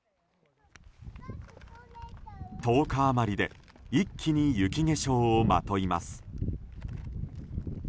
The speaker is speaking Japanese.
１０日余りで一気に雪化粧をまといます。